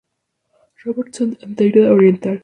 Robertson, Antártida Oriental.